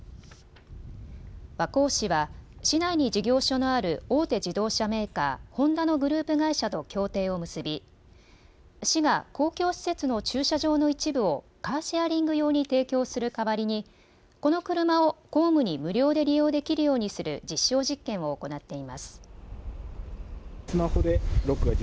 和光市は市内に事業所のある大手自動車メーカー、ホンダのグループ会社と協定を結び市が公共施設の駐車場の一部をカーシェアリング用に提供する代わりにこの車を公務に無料で利用できるようにする実証実験を行っています。